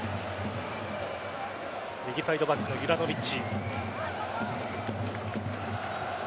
右サイドバックのユラノヴィッチ。